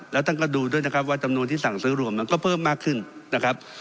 แล้วท่านก็ดูด้วยนะครับว่าจำนวนที่สั่งซื้อรวมมันก็เพิ่มมากขึ้นนะครับ